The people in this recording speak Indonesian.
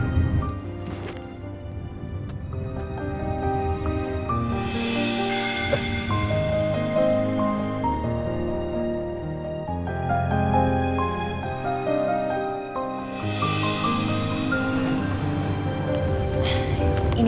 mau saya bantu